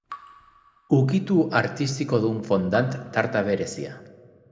Ukitu artistikodun fondant tarta berezia.